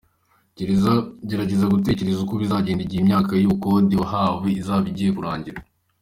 Gerageza gutekereza uko bizagenda igihe imyaka y’ubukode wahawe izaba igiye kurangira.